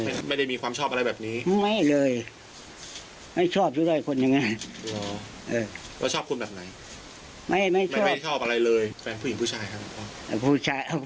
แฟนผู้หญิงผู้ชายครับ